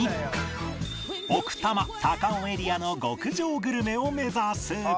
奥多摩・高尾エリアの極上グルメを目指す